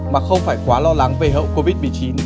mà không phải quá lo lắng về hậu covid một mươi chín